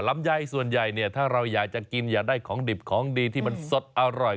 ลำไยส่วนใหญ่เนี่ยถ้าเราอยากจะกินอยากได้ของดิบของดีที่มันสดอร่อย